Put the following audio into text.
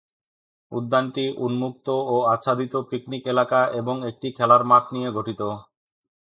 উদ্যানটি উন্মুক্ত ও আচ্ছাদিত পিকনিক এলাকা এবং একটি খেলার মাঠ নিয়ে গঠিত।